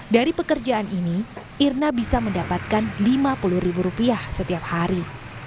dari pekerjaan ini irna bisa mendapatkan lima puluh ribu rupiah setiap hari